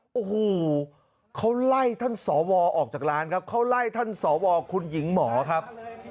โอ้โหเขาไล่ท่านสวออกจากร้านครับเขาไล่ท่านสวคุณหญิงหมอครับ